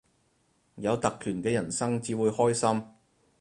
有特權嘅人生至會開心